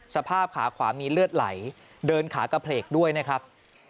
สภาพขาขวามีเลือดไหลเดินขากระเพลกด้วยนะครับ